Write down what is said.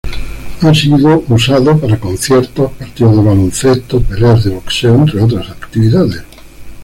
Ha sido usado para conciertos, partidos de baloncesto, peleas de boxeo entre otras actividades.